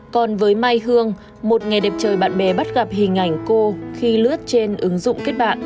còn với mai hương một ngày đẹp trời bạn bè bắt gặp hình ảnh cô khi lướt trên ứng dụng kết bạn